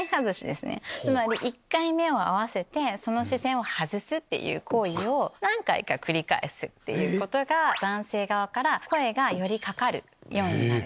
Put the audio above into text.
つまり１回目を合わせてその視線を外すっていう行為を何回か繰り返すってことが男性側から声がよりかかるようになる。